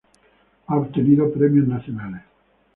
Ha obtenido premios nacionales.